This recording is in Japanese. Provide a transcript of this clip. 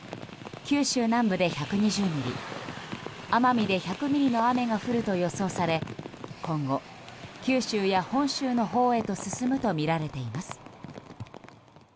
九州南部で１２０ミリ奄美で１００ミリの雨が降ると予想され今後、九州や本州のほうへと進むとみられています。